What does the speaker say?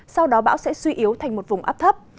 sau đó bão sẽ suy yếu thành một vùng áp thấp